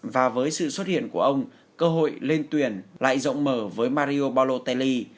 và với sự xuất hiện của ông cơ hội lên tuyển lại rộng mở với mario balotaly